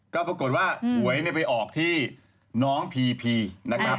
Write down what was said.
ก็ปรากฏว่าหวยไปออกที่น้องพีพีนะครับ